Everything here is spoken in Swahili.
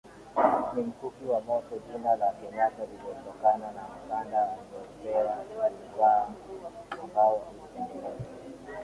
ni mkuki wa Moto Jina la Kenyata lilitokana na Mkanda aliopenda kuuvaa ambao ulitengenezwa